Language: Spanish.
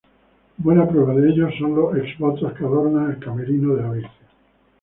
Buena prueba de ello son los exvotos que adornan el camerino de la Virgen.